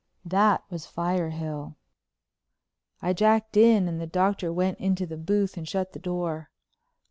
That was Firehill. I jacked in and the Doctor went into the booth and shut the door.